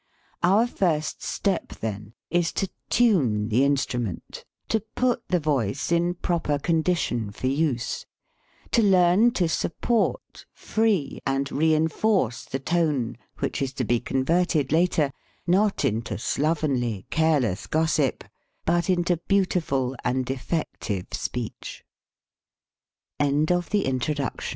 Our first step, then, is to tune the instru ment; to put the voice in proper condition for use; to learn to support, free, and re enforce the tone which is to be converted later, not into slovenly, careless gossip, but into beautiful and effec